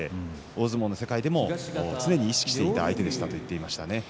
大相撲の世界でも常に意識していた相手でしたと言っていました。